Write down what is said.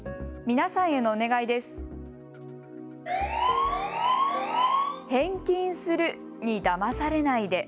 皆さんへのお願いです。